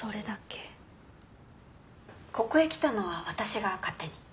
ここへ来たのは私が勝手に。